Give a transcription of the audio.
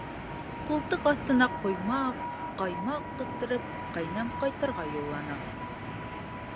Ҡултыҡ аҫтына ҡоймаҡ, ҡаймаҡ ҡыҫтырып, ҡәйнәм ҡайтырға юллана.